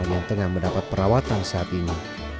yang tengah mendapat perawatan saat ini